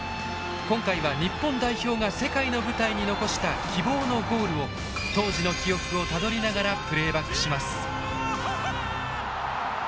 今回は日本代表が世界の舞台に残した希望のゴールを当時の記憶をたどりながらプレーバックします。